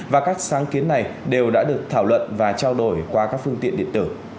và các sáng kiến này đều đã được thảo luận và trao đổi qua các phương tiện điện tử